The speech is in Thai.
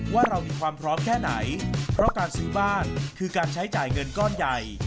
ว่าเรามีความพร้อมแค่ไหนเพราะการซื้อบ้านคือการใช้จ่ายเงินก้อนใหญ่